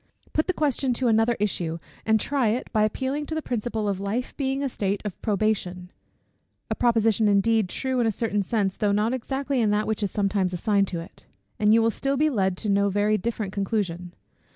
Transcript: Put the question to another issue, and try it, by appealing to the principle of life being a state of probation; (a proposition, indeed, true in a certain sense, though not exactly in that which is sometimes assigned to it,) and you will still be led to no very different conclusion.